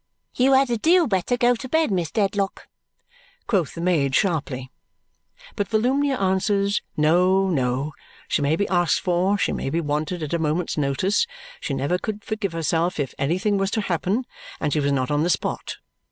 "You had a deal better go to bed, Miss Dedlock," quoth the maid sharply. But Volumnia answers No! No! She may be asked for, she may be wanted at a moment's notice. She never should forgive herself "if anything was to happen" and she was not on the spot.